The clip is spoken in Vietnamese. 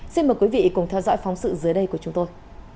xin mời quý vị cùng theo dõi phóng sự dưới đây của chúng tôi